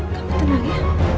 kamu tenang ya